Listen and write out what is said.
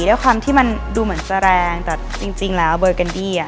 ด้วยความที่มันดูเหมือนจะแรงแต่จริงแล้วเบอร์กันดี้อ่ะ